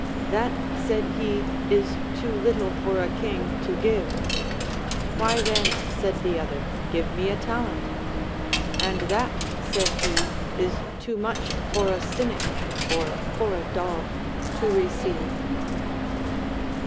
That, said he, is too little for a king to give. Why then, said the other, give me a talent. And that, said he, is too much for a Cynic (or for a dog) to receive.